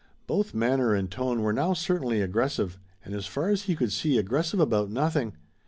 Both manner and tone were now certainly aggressive, and as far as he could see aggressive about nothing.